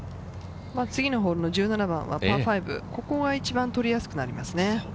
次のホールの１７番はパー５、ここが一番取りやすくなりますね。